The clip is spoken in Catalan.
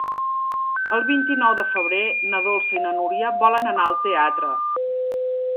El vint-i-nou de febrer na Dolça i na Núria volen anar al teatre.